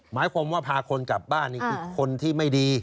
หมายความว่าพาคนกลับบ้านนี่คือคนที่ไม่ดี